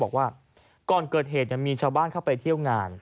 บอกว่าก่อนเกิดเหตุมีชาวบ้านเข้าไปเที่ยวงาน